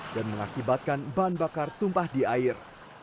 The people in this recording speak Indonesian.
dan mengakibatkan bahan bakar tumpah di air